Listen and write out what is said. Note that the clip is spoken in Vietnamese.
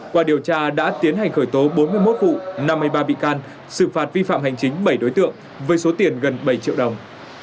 qua điều tra đã tiến hành khởi tố bốn mươi một vụ năm mươi ba bị can xử phạt vi phạm hành chính bảy đối tượng với số tiền gần bảy triệu đồng